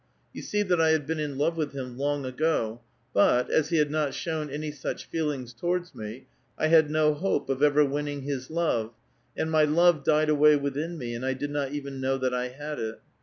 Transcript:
You see that I had been in love with him long ago ; but, as he had not shown any such feelings towards me, 1 had no hope of ever winning his love, and mv love died awav within me, and I did not even know that I had it.